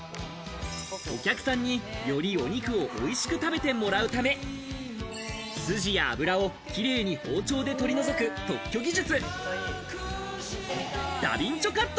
お客さんに、よりお肉を美味しく食べてもらうため筋や脂をキレイに包丁で取り除く特許技術。